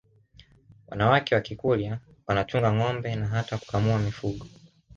wanawake wa Kikurya wanachunga ngombe na hata kukamua mifugo